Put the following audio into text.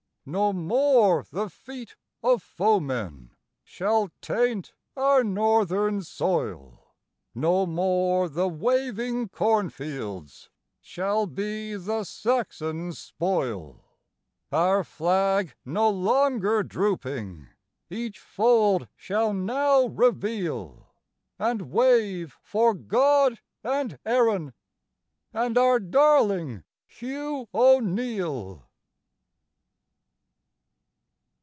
No more the feet of foemen shall taint our Northern soil, No more the waving cornfields shall be the Saxon's spoil. Our flag no longer drooping, each fold shall now reveal, And wave for God and Erin and our darling Hugh O'Neill.